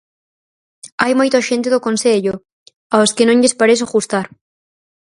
Hai moito axente do Concello, aos que non lles parezo gustar.